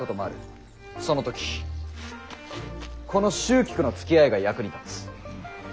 その時この蹴鞠のつきあいが役に立つ。